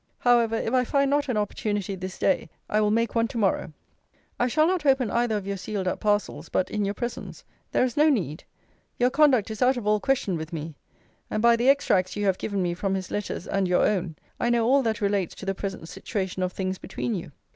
However, if I find not an opportunity this day, I will make one to morrow. I shall not open either of your sealed up parcels, but in your presence. There is no need. Your conduct is out of all question with me: and by the extracts you have given me from his letters and your own, I know all that relates to the present situation of things between you.